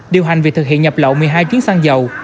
điều hành việc thực hiện nhập lậu một mươi hai chuyến xăng dầu